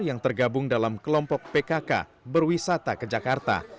yang tergabung dalam kelompok pkk berwisata ke jakarta